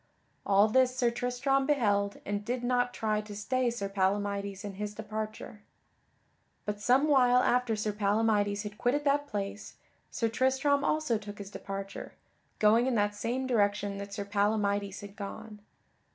All this Sir Tristram beheld and did not try to stay Sir Palamydes in his departure. But some while after Sir Palamydes had quitted that place, Sir Tristram also took his departure, going in that same direction that Sir Palamydes had gone.